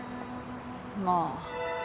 まあ。